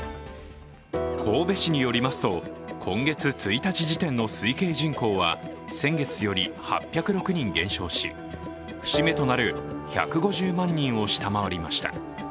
神戸市によりますと今月１日時点の推計人口は先月より８０６人減少し節目となる１５０万人を下回りました。